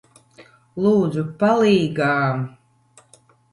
Lūdzu, palīgā!